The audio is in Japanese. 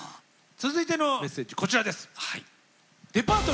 続いてのメッセージこちらです。